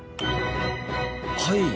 はい。